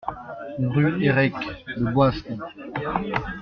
Rue Herèques, Le Boisle